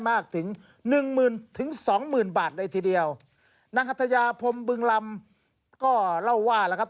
มากถึงหนึ่งหมื่นถึงสองหมื่นบาทเลยทีเดียวนางหัทยาพรมบึงลำก็เล่าว่าแล้วครับ